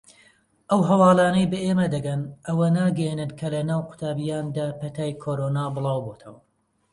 ئەو هەواڵانەی بە ئێمە دەگەن ئەوە ناگەیەنێت کە لەناو قوتابییاندا پەتای کۆرۆنا بڵاوبۆتەوە.